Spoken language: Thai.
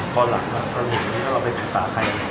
ตอนหลังเราไปปรึกษาใคร